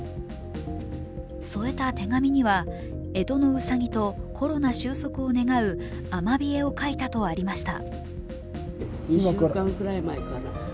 添えた手紙には、えとのうさぎとコロナ収束を願うアマビエを描いたとありました。